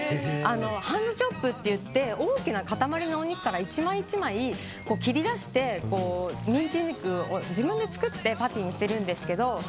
ハンドチョップといって大きな塊のお肉から１枚１枚切り出してミンチ肉を自分で作ってパティにしてるんですけど。